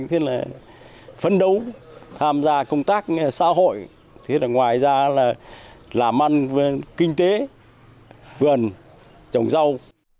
chúng tôi phấn đấu tham gia công tác xã hội ngoài ra là làm ăn kinh tế vườn trồng rau